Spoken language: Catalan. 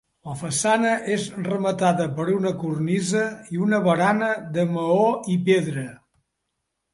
La façana és rematada per una cornisa i una barana de maó i pedra.